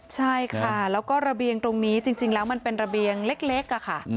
ใช่ค่ะแล้วก็ระเบียงตรงนี้จริงแล้วมันเป็นระเบียงเล็กค่ะ